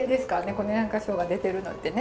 この谷中生姜出てるのってね。